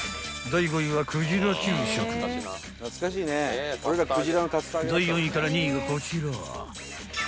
［第４位から２位がこちら］